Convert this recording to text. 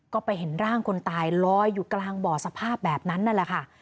ก็ไปเห็นร่างคนตายลอยอยู่กลางบ่อสภาพแบบนั้นนั่นแหละค่ะ